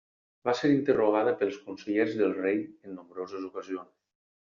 Va ser interrogada pels consellers del rei en nombroses ocasions.